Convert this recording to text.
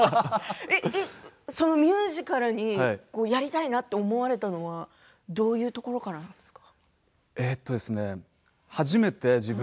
そのミュージカルやりたいと思われたのはどういうところからですか？